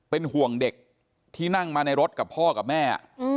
เป็นห่วงเด็กที่นั่งมาในรถกับพ่อกับแม่